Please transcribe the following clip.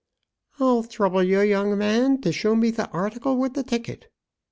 "I'll throuble ye, young man, to show me the article with the ticket."